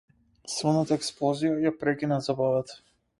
Силната експлозија ја прекина забавата.